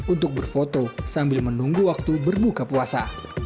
untuk berfoto sambil menunggu waktu berbuka puasa